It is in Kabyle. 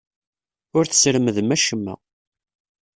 Ur tesremdem acemma.